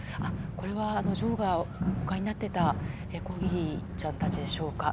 これは女王がお飼いになっていたコーギーちゃんたちでしょうか。